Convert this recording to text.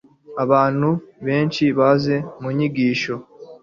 Abantu benshi baza mu nyigisho.